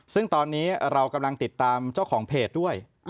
ซึ่งตอนนี้เรากำลังติดตามเจ้าของเพจด้วย